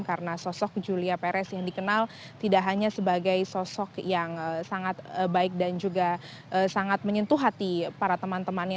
karena sosok julia perez yang dikenal tidak hanya sebagai sosok yang sangat baik dan juga sangat menyentuh hati para teman temannya